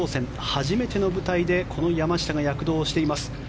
初めての舞台でこの山下が躍動しています。